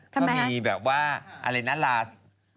ก็มีแบบว่าอะไรนาลาส